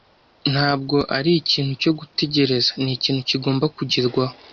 ntabwo ari ikintu cyo gutegereza, ni ikintu kigomba kugerwaho.